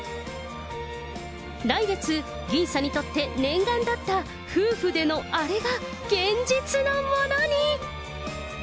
来月、吟さんにとって念願だった、夫婦でのあれが現実のものに。